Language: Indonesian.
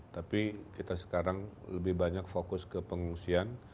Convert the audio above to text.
tapi kita sekarang lebih banyak fokus ke pengungsian